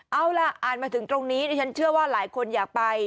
เอาล่ะอ่านมาถึงตรงนี้ดิฉันเชื่อว่าหลายคนอยากไป